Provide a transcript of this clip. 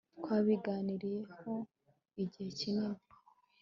twabiganiriyehoigihe kinini